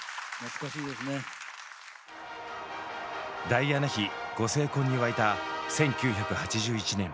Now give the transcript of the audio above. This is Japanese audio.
ダイアナ妃ご成婚に沸いた１９８１年。